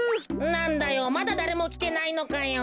なんだよまだだれもきてないのかよ。